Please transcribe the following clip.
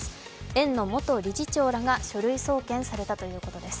園の元理事長らが書類送検されたということです。